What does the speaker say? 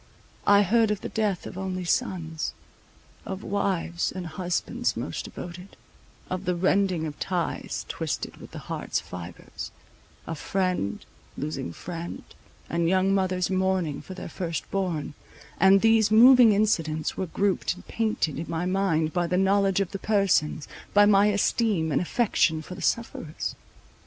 I heard of the death of only sons; of wives and husbands most devoted; of the rending of ties twisted with the heart's fibres, of friend losing friend, and young mothers mourning for their first born; and these moving incidents were grouped and painted in my mind by the knowledge of the persons, by my esteem and affection for the sufferers.